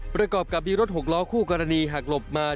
ประกอบกับมีรถหกล้อคู่กรณีหักหลบมา